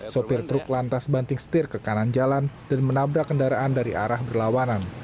sopir truk lantas banting setir ke kanan jalan dan menabrak kendaraan dari arah berlawanan